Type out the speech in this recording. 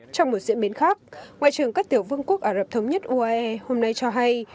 trong một diễn biến khác ngoại trưởng các tiểu vương quốc ả rập thống nhất uae hôm nay cho hay